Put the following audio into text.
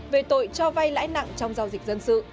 về tội cho vay lãi nặng trong giao dịch dân sự